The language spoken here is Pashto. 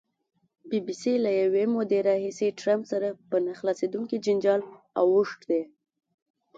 بي بي سي له یوې مودې راهیسې ټرمپ سره په نه خلاصېدونکي جنجال اوښتې.